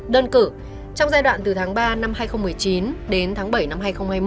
đơn cử trong giai đoạn từ tháng ba năm hai nghìn một mươi chín đến tháng bảy năm hai nghìn hai mươi